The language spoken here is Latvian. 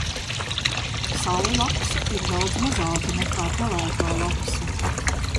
Salu lapsa ir daudz mazāka nekā pelēkā lapsa.